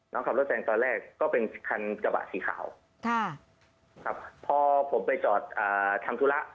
น้องขับรถแซงตอนแรกก็เป็นคันกระบะสีขาวค่ะครับพอผมไปจอดอ่าทำธุระ